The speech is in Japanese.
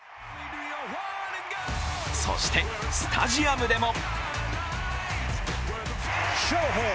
そして、スタジアムでも！